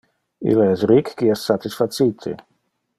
Ille es ric qui es satisfacite.